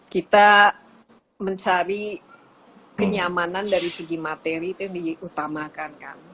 kita mencari kenyamanan dari segi materi itu yang diutamakan kan